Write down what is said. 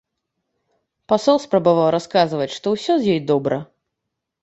Пасол спрабаваў расказваць, што ўсё з ёй добра.